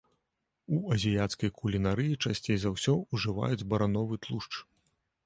У азіяцкай кулінарыі часцей за ўсё ўжываюць барановы тлушч.